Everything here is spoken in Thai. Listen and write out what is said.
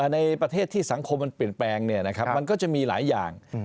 ในประเทศที่สังคมมันเปลี่ยนแปลงมันก็จะมีหลายอย่าง